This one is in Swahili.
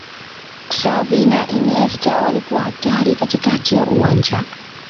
xavi na iniesta walikuwa hatari katikati ya uwanja